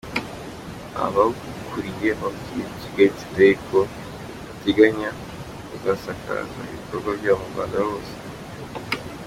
Abawukuriye babwiye Kigali Tudeyi ko bateganya kuzasakaza ibikorwa byabo mu Rwanda hose.